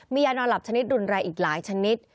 มียานอนหลับชนิดรุนแรงอีกหลายชนิด